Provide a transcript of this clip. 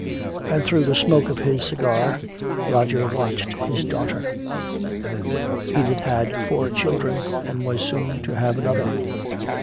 And through the smoke of his cigar Roger watched his daughter. Edith had four children, and was soon to have another.